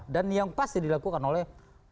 dan yang pasti dilakukan oleh